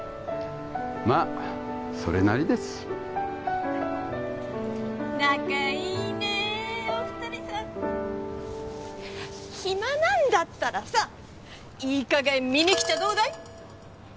まあそれなりです仲いいねお二人さん暇なんだったらさいい加減見にきちゃどうだい？